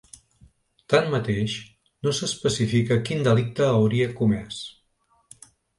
Tanmateix, no s’especifica quin delicte hauria comès.